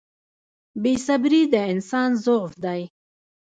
• بې صبري د انسان ضعف دی.